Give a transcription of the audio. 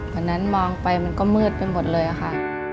วันนั้นมองไปมันก็มืดไปหมดเลยค่ะ